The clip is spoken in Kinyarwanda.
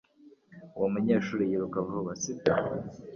Uwo munyeshuri yiruka vuba sibyo?